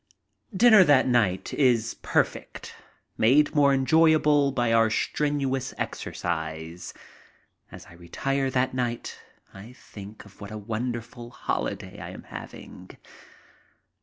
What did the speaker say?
Dinner that night is perfect, made more enjoyable for our strenuous exercise. As I retire that night I think of what a wonderful holiday I am having.